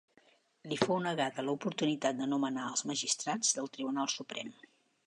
Li fou negada l'oportunitat de nomenar els magistrats del Tribunal Suprem.